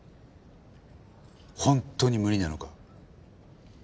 本当に無理なのか。